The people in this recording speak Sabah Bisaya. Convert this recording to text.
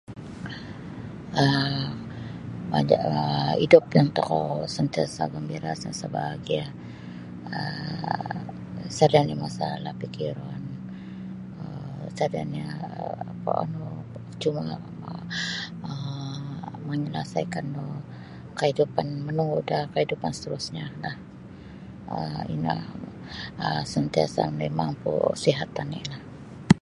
um hidup kan tokou santiasa gambira' santiasa' bahagia um sada' nio masalah fikiron um sada' nio um no cuma' um manyalasaikan da kaidupan manunggu' da kaidupan seterusnyo um ino um santiasa mimang ku sihat oni'lah.